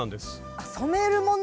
あ染めるもの。